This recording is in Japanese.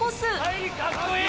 帰りかっこいい！